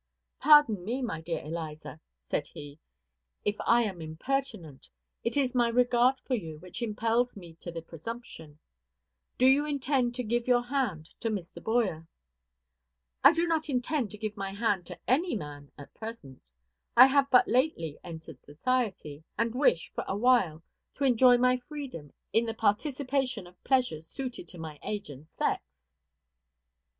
"Pardon me, my dear Eliza," said he, "if I am impertinent; it is my regard for you which impels me to the presumption. Do you intend to give your hand to Mr. Boyer?" "I do not intend to give my hand to any man at present. I have but lately entered society, and wish, for a while, to enjoy my freedom in the participation of pleasures suited to my age and sex."